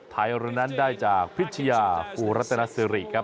ถ่ายเรือนั้นได้จากพิชยาฟูรัตนาซิริครับ